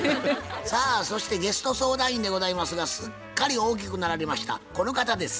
さあそしてゲスト相談員でございますがすっかり大きくなられましたこの方です。